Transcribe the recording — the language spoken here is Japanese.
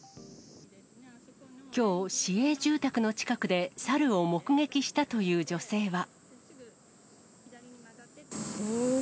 きょう、市営住宅の近くでサルを目撃したという女性は。